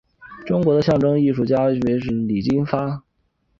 中国的象征主义艺术家有诗人李金发。